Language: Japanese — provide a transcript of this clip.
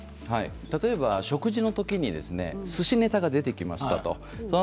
例えば食事のときにすしネタが出てきました。